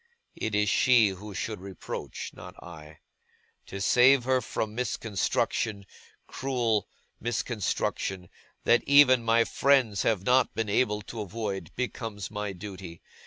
It is she who should reproach; not I. To save her from misconstruction, cruel misconstruction, that even my friends have not been able to avoid, becomes my duty.